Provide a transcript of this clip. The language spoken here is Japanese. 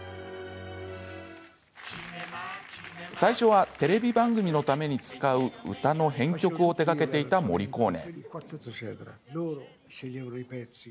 最初はテレビ番組のために使う歌の編曲を手がけていたモリコーネ。